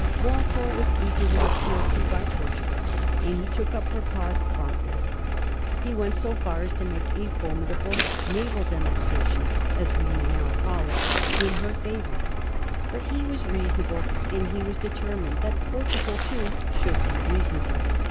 Walpole was ea gerly appealed to by Portugal, and he took up her cause promptly. He went so far as to make a formidable ^^ na val demonstration," as we should now call it, in her favor. But he was reasonable, and he was determined that Por tugal too should be reasonable.